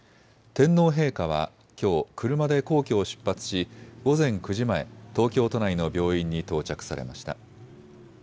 天皇陛下はきょう車で皇居を出発し、午前９時前、東京都内の病院に到着されました。